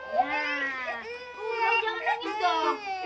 nah lu jangan nangis dong